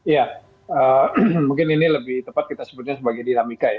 ya mungkin ini lebih tepat kita sebutnya sebagai dinamika ya